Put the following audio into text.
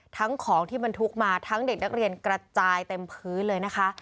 ทั้งของที่บรรทุกมาทั้งเด็กนักเรียนกระจายเต็มพื้นเลยนะคะ